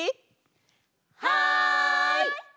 はい！